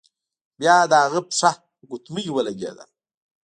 بیا د هغه پښه په ګوتمۍ ولګیده.